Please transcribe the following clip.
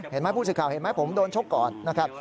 ผู้สื่อข่าวเห็นไหมผมโดนชกก่อนนะครับ